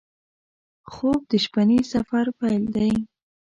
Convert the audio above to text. خوب د شپهني سفر پیل دی